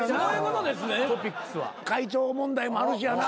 会長問題もあるしやな。